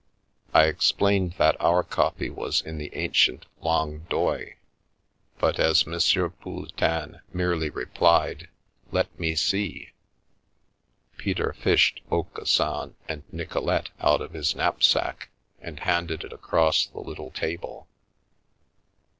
I explained that our copy was in the ancient Langue d'Oil, but, as M. Pouletin merely replied, " Let me see," Peter fished " Aucassin and Nicole te " out of his knapsack, and handed it across the little table.